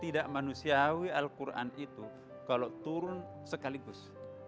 tidak manusiawi al quran itu kalau turun sekaligus